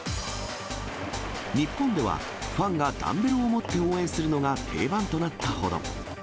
日本では、ファンがダンベルを持って応援するのが定番となったほど。